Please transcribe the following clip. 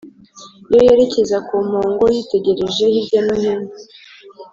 iyo yerekeza ku mpongo yitegereje hirya no hino